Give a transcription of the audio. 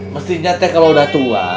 mestinya teh kalau udah tua